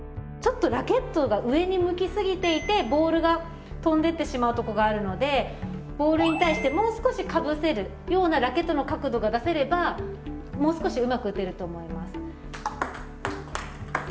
ちょっとラケットが上に向き過ぎていてボールが飛んでってしまうとこがあるのでボールに対してもう少しかぶせるようなラケットの角度が出せればもう少しうまく打てると思います。